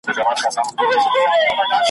بیا به دي په لوبو کي رنګین امېل شلېدلی وي `